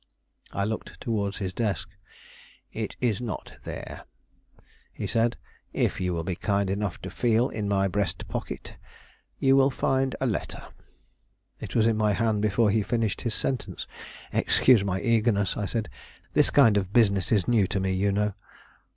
I looked towards his desk. "It is not there," he said; "if you will be kind enough to feel in my breast pocket you will find a letter " It was in my hand before he finished his sentence. "Excuse my eagerness," I said. "This kind of business is new to me, you know."